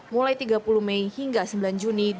mulai tiga puluh mei hingga sembilan juni dua ribu dua puluh